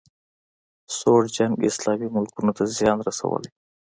سوړ جنګ اسلامي ملکونو ته زیان رسولی